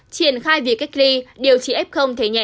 triển khai việc cách ly điều trị ép không thể nhẹ